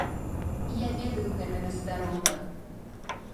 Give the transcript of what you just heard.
Я ведаю гэтага старога.